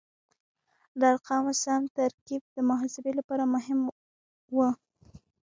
د ارقامو سم ترکیب د محاسبې لپاره مهم و.